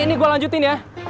ini gue lanjutin ya